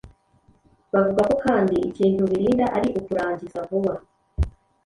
Bavuga ko kandi ikintu birinda ari ukurangiza vuba